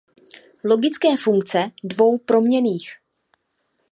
Logické funkce dvou proměnných